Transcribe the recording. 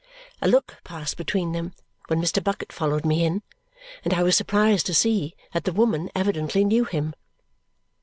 A look passed between them when Mr. Bucket followed me in, and I was surprised to see that the woman evidently knew him.